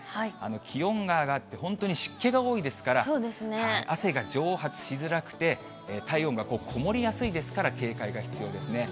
気温が上がって、本当に湿気が多いですから、汗が蒸発しづらくて、体温がこもりやすいですから、警戒が必要ですね。